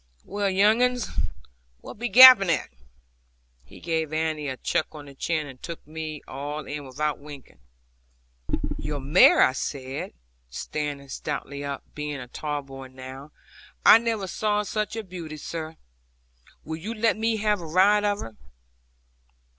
'Well, young uns, what be gaping at?' He gave pretty Annie a chuck on the chin, and took me all in without winking. 'Your mare,' said I, standing stoutly up, being a tall boy now; 'I never saw such a beauty, sir. Will you let me have a ride of her?'